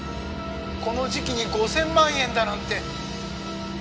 この時期に５０００万円だなんて。